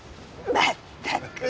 まったく。